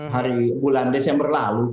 hari bulan desember lalu